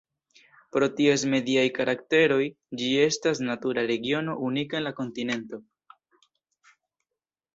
Pro ties mediaj karakteroj ĝi estas natura regiono unika en la kontinento.